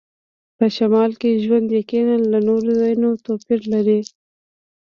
په شمال کې ژوند یقیناً له نورو ځایونو توپیر لري